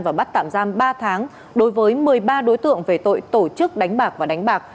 và bắt tạm giam ba tháng đối với một mươi ba đối tượng về tội tổ chức đánh bạc và đánh bạc